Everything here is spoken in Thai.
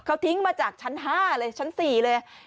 เขาทิ้งมาจากชั้น๕เลยชั้น๔เลย